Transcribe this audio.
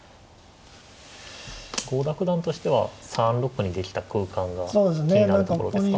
郷田九段としては３六にできた空間が気になるところですか。